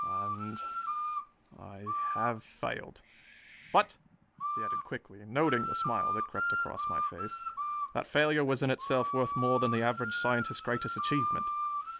And ... I have failed! "But," he added quickly, noting the smile that crept across my face, "that failure was in itself worth more than the average scientist's greatest achievement!